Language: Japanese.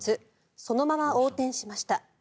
そのまま横転しました。